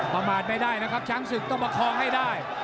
ประมาณไม่ได้นะครับช้างศึกต้องประคองให้ได้